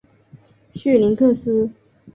绪林克斯。